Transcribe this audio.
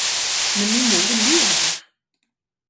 Men min mor lever!